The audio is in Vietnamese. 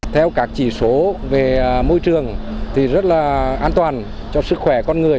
theo các chỉ số về môi trường thì rất là an toàn cho sức khỏe con người